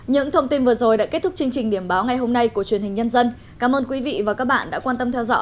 những thông tin vừa rồi đã kết thúc chương trình điểm báo ngày hôm nay của truyền hình nhân dân